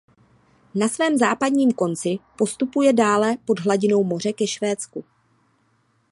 Na svém západním konci postupuje dále pod hladinou moře ke Švédsku.